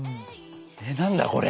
何だこれ。